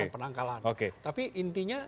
penangkalan oke tapi intinya